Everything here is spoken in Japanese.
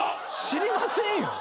知りませんよ。